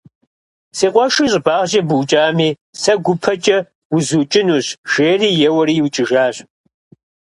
Си къуэшыр щӀыбагъкӀэ букӀами сэ гупэкӀэ узукӀынущ, жери, еуэри иукӀыжащ.